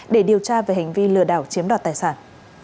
để điều tra về hành vi lừa đảo chiếm đoạt tài sản